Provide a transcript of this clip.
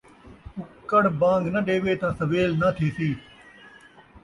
ککڑ بان٘گ ناں ݙیوے تاں سویل ناں تھیسی ؟